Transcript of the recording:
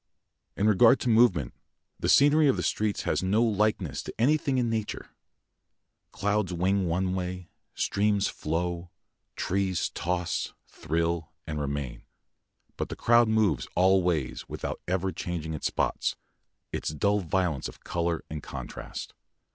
In regard to movement, the scenery of the streets has no likeness to anything in nature. Clouds wing one way, streams flow, trees toss, thrill, and remain, but the crowd moves all ways without ever changing its spots, its dull violence of colour and contrast.